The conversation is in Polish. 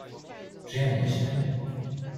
"Czy ja nie śnię?"